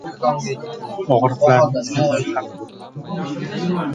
ogʻriqlarimizga malham boʻldi.